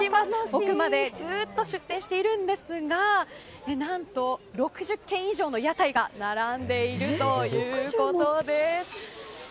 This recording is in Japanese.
奥までずっと出店しているんですが何と、６０軒以上の屋台が並んでいるということです。